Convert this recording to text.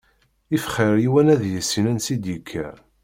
If xir yiwen ad yissin ansi id-yekka.